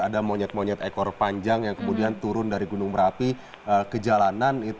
ada monyet monyet ekor panjang yang kemudian turun dari gunung merapi ke jalanan